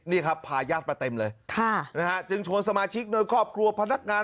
นี่ครับพาญาติมาเต็มเลยจึงชวนสมาชิกโดยครอบครัวพนักงาน